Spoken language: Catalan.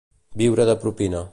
Viure de propina.